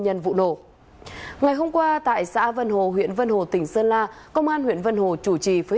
nhân vụ nổ ngày hôm qua tại xã vân hồ huyện vân hồ tỉnh sơn la công an huyện vân hồ chủ trì phối